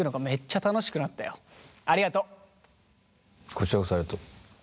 こちらこそありがとう。